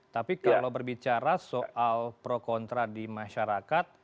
tapi kalau berbicara soal pro kontra di masyarakat